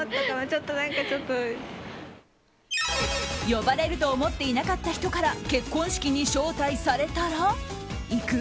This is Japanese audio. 呼ばれると思っていなかった人から結婚式に招待されたら行く？